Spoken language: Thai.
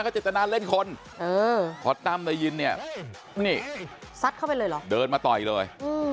เจตนาเล่นคนพอตั้มได้ยินเนี่ยนี่ซัดเข้าไปเลยเหรอเดินมาต่อยเลย